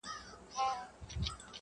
په توبو یې راولمه ستا تر ځایه-